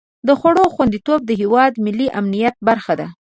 د خوړو خوندیتوب د هېواد ملي امنیت برخه ده.